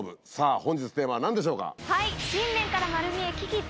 本日テーマは何でしょうか？